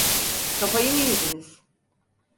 Kafayı mı yediniz?